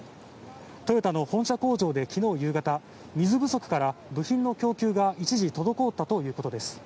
トヨタの本社工場で昨日夕方水不足から部品の供給が一時滞ったということです。